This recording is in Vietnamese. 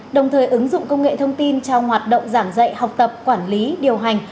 đồng thời ứng dụng công nghệ thông tin trong hoạt động giảng dạy học tập quản lý điều hành